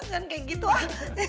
jangan kayak gitu ah